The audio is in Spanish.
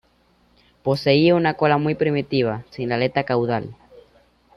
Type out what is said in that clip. Poseía una cola muy primitiva, sin aleta caudal.